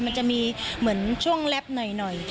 มันจะมีเหมือนช่วงแล็บหน่อย